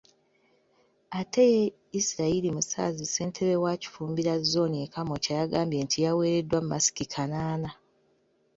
Ate ye Israel Musaazi Ssentebe wa Kifumbira Zzooni e Kamwokya yagambye nti yawereddwa masiki kanaana.